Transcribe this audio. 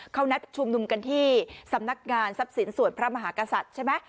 เขานัดชุมนุมกันที่สำนักงานทรัพย์สินส่วนพระมหากษัตริย์ใช่ไหม